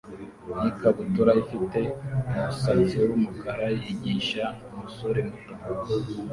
nikabutura ifite umusatsi wumukara yigisha umusore muto